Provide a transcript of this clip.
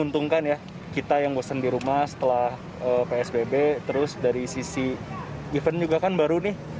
umumkan ya kita yang bosan di rumah setelah corps zhong july paswis uefen juga kan baru nih